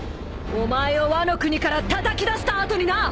お前をワノ国からたたき出した後にな！